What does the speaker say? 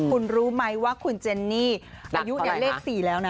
คุณรู้ไหมว่าคุณเจนนี่อายุเลข๔แล้วนะ